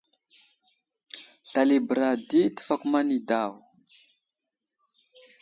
Slal i bəra ɗi təfakuma nay daw.